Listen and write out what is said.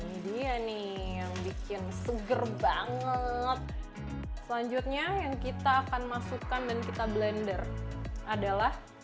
ini dia nih yang bikin seger banget selanjutnya yang kita akan masukkan dan kita blender adalah